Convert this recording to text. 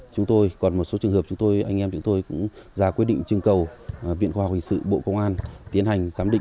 còn một số trường hợp chúng tôi anh em chúng tôi cũng ra quyết định trưng cầu viện khoa học hình sự bộ công an tiến hành